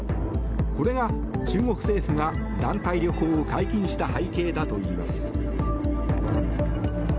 これが、中国政府が団体旅行を解禁した背景だといいます。